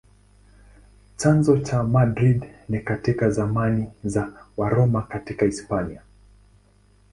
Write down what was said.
Chanzo cha Madrid ni katika zamani za Waroma katika Hispania.